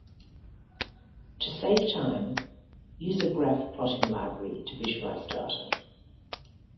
To save time, use a graph plotting library to visualize data.